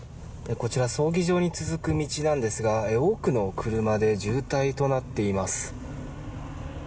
こちら葬儀場に続く道なんですが多くの車で渋滞となっています。